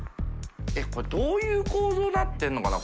┐これどういう構造になってるのかな？